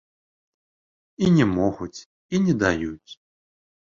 І не могуць, і не даюць.